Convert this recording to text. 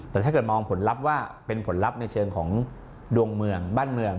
แต่ถ้าเกิดมองผลลัพธ์ว่าเป็นผลลัพธ์ในเชิงของดวงเมืองบ้านเมือง